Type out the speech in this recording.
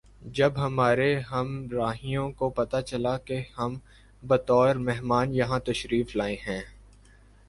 جب ہمارے ہمراہیوں کو پتہ چلا کہ ہم بطور مہمان یہاں تشریف لائے ہیں